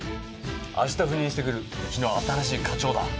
明日赴任してくるうちの新しい課長だ。